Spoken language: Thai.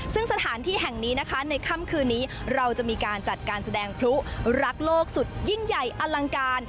ซึ่งสถานที่แห่งนี้นะคะในค่ำคืนนี้เราจะมีการจัดการแสดงพลุรักโลกสุดยิ่งใหญ่อลังการ